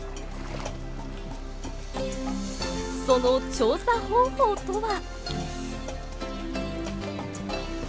その調査方法とは！